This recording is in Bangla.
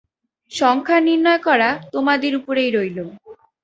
সংখ্যা নির্ণয় করা তোমাদের উপরেই রইল।